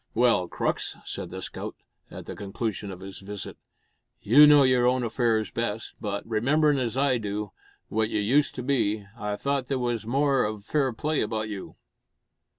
"Well, Crux," said the scout, at the conclusion of his visit, "you know your own affairs best but, rememberin' as I do, what you used to be, I thought there was more of fair play about you."